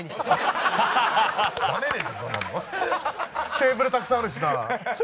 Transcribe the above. テーブルたくさんあるしなあ。